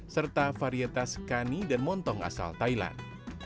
serta varietas kani dan montong asal thailand